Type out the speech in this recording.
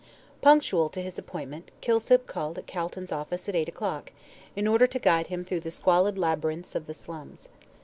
Punctual to his appointment, Kilsip called at Calton's office at eight o'clock, in order to guide him through the squalid labyrinths of the slums.